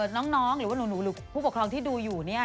น้องหรือว่าหนูหรือผู้ปกครองที่ดูอยู่เนี่ย